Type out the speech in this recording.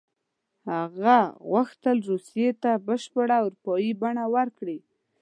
هغه غوښتل روسیې ته بشپړه اروپایي بڼه ورکړي.